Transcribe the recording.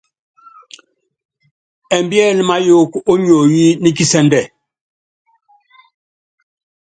Ɛmbíɛ́lɛ́ máyɔɔ́k ó nionyi ní kisɛ́ndɛ.